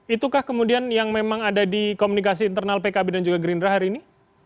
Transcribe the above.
itukah kemudian yang memang ada di komunikasi internal pkb dan juga gerindra hari ini